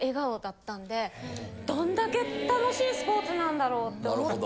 どんだけ楽しいスポーツなんだろうって思って。